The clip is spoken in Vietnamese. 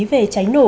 về trái nổ